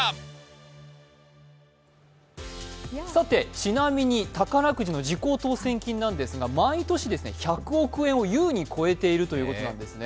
ちなみに宝くじの時効当選金なんですが毎年１００億円を優に超えているということなんですね